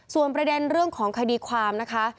ส่วนประเด็นเรื่องของคดีความนะคะ